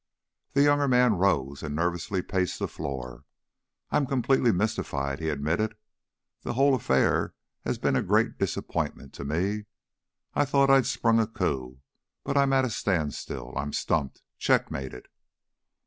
The younger man rose and nervously paced the floor. "I'm completely mystified," he admitted. "The whole affair has been a great disappointment to me. I thought I'd sprung a coup, but I'm at a standstill. I'm stumped checkmated."